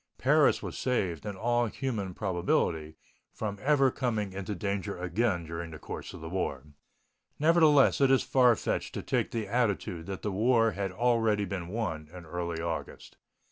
Paris was saved, in all human probability, from ever coming into danger again during the course of the war. Nevertheless, it is far fetched to take the attitude that the war had already been won early in August.